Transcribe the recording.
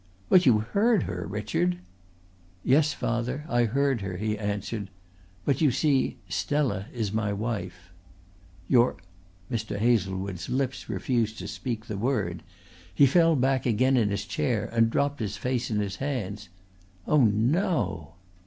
"But you heard her, Richard!" "Yes, father, I heard her," he answered. "But you see Stella is my wife." "Your " Mr. Hazlewood's lips refused to speak the word. He fell back again in his chair and dropped his face in his hands. "Oh, no!"